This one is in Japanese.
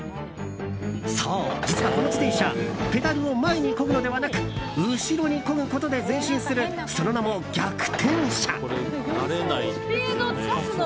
そう、実はこの自転車ペダルを前にこぐのではなく後ろにこぐことで前進するその名も、逆転車。